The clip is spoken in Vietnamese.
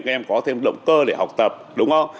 các em có thêm động cơ để học tập đúng không